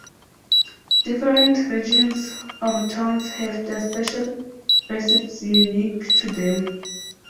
Different regions or towns have their special recipes unique to them.